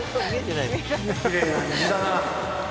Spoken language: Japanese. きれいな虹だな。